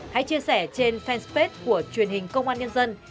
hãy chia sẻ trên fanpage của truyền hình công an nhân dân